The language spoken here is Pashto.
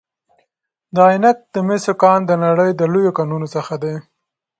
د عینک د مسو کان د نړۍ له لویو کانونو څخه دی.